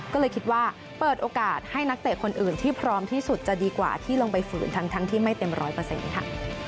ก็เลยคิดว่าเปิดโอกาสให้นักเตะคนอื่นที่พร้อมที่สุดจะดีกว่าที่ลงไปฝืนทั้งที่ไม่เต็มร้อยเปอร์เซ็นต์ค่ะ